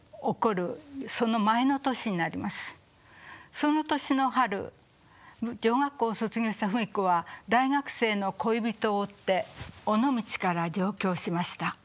その年の春女学校を卒業した芙美子は大学生の恋人を追って尾道から上京しました。